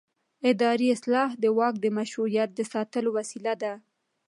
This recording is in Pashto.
اداري اصلاح د واک د مشروعیت د ساتلو وسیله ده